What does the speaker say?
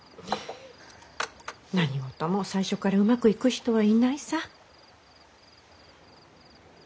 何事も最初からうまくいく人はいないさ。